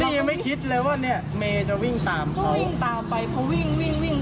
ยังไม่คิดเลยว่าเนี่ยเมย์จะวิ่งตามเขาวิ่งตามไปเขาวิ่งวิ่งวิ่งวิ่ง